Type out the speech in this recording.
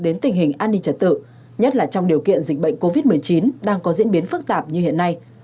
đến tình hình an ninh trật tự nhất là trong điều kiện dịch bệnh covid một mươi chín đang có diễn biến phức tạp như hiện nay